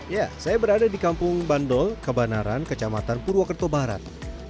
ya saya berada di kampung bandol kebanaran kecamatan purwokerto barat